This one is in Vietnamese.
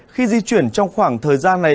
khi di chuyển trong khoảng thời gian này